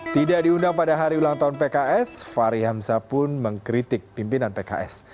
tidak diundang pada hari ulang tahun pks fahri hamzah pun mengkritik pimpinan pks